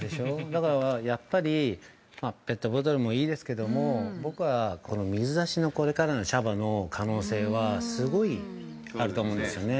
だからやっぱり、ペットボトルもいいですけども、僕は、水出しのこれからの茶葉の可能性はすごいあると思うんですよね。